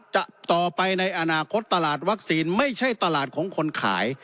ต่อไปในอนาคตตลาดวัคซีนไม่ใช่ตลาดของคนขาย